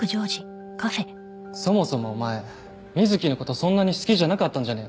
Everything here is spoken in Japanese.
そもそもお前瑞貴のことそんなに好きじゃなかったんじゃねえの？